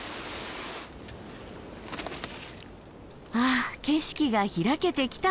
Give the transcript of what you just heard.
あ景色が開けてきた！